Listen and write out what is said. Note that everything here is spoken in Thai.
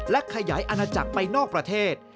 และขยายอาณาจักรไปนอกประเทศ